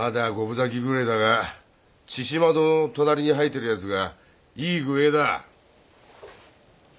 咲きぐれえだが千島堂の隣に生えてるやつがいい具合だ！